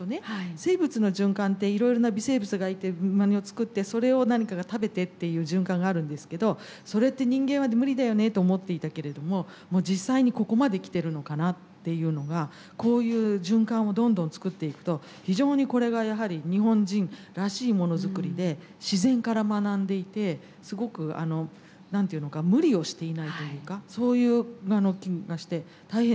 生物の循環っていろいろな微生物がいて作ってそれを何かが食べてっていう循環があるんですけどそれって人間は無理だよねと思っていたけれども実際にここまで来てるのかなっていうのがこういう循環をどんどん作っていくと非常にこれがやはり日本人らしいもの作りで自然から学んでいてすごく何ていうのか無理をしていないというかそういう気がして大変すばらしいと思いました。